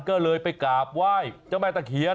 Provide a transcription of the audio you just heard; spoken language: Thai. ก็เลยไปกราบไหว้เจ้าแม่ตะเคียน